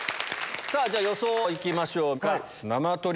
じゃあ予想行きましょうか。